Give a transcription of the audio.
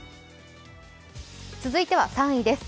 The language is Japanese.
続いては３位です